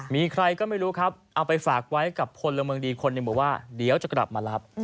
มีใครก็ไม่รู้ครับเอาไปฝากไว้กับพลเมืองดีคนในหมู่บ้านเดี๋ยวจะกลับมารับ